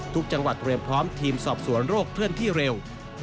ทุกจังหวัดเตรียมพร้อมทีมสอบสวนโรคเคลื่อนที่เร็ว